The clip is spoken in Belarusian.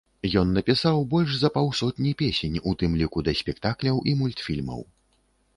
Ён напісаў больш за паўсотні песень, у тым ліку да спектакляў і мультфільмаў.